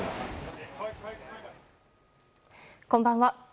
こんばんは。